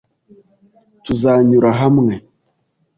Tuzanyura hamwe.